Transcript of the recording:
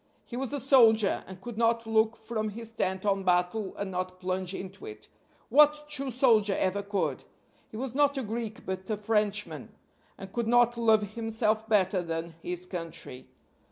He was a soldier, and could not look from his tent on battle and not plunge into it. What true soldier ever could? He was not a Greek but a Frenchman and could not love himself better than his country.